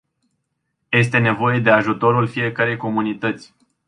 Este nevoie de ajutorul fiecărei comunități.